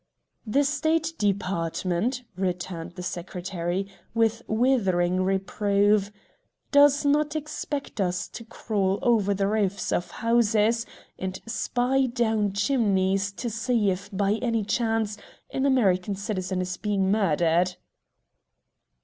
"The State Department," returned the Secretary, with withering reproof, "does not expect us to crawl over the roofs of houses and spy down chimneys to see if by any chance an American citizen is being murdered."